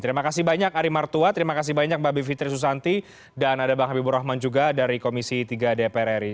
terima kasih banyak ari martua terima kasih banyak mbak bivitri susanti dan ada bang habibur rahman juga dari komisi tiga dpr ri